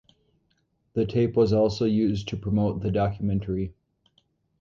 The tape was also used to promote "The Documentary".